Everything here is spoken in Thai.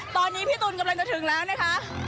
ตอนนี้พี่ตูนกำลังจะถึงแล้วนะคะ